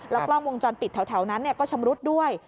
กล้องวงจรปิดแถวนั้นก็ชำรุดด้วย